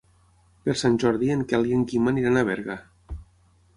Per Sant Jordi en Quel i en Guim aniran a Berga.